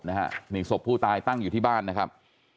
นี่ศพผู้ตายตั้งอยู่ที่บ้านนะครับ